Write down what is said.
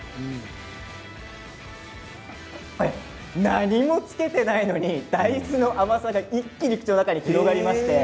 何もつけていないのに大豆の甘さが一気に口に広がりました。